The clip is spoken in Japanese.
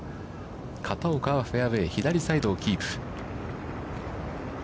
片岡はフェアウェイ、左サイドをキープ。